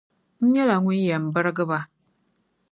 N nyɛla ŋun yɛn birgi ba.